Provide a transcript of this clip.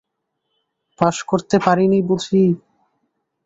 Pass করতে পারি নি বুঝি?